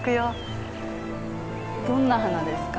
どんな花ですか？